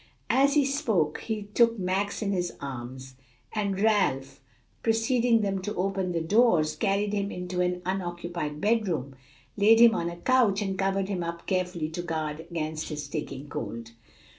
As he spoke he took Max in his arms, and, Ralph preceding them to open the doors, carried him into an unoccupied bedroom, laid him on a couch, and covered him up carefully to guard against his taking cold.